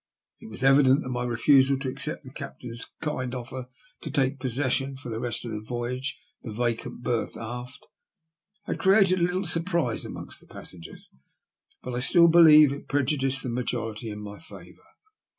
It was evident that my refusal to accept the cap tain's kind offer to take possession, for the rest of the voyage, of the vacant berth aft, had created a little surprise among the passengers. Still, I believe it prejudiced the majority in my favour.